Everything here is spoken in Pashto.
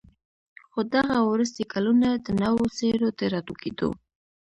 خو دغه وروستي كلونه د نوو څېرو د راټوكېدو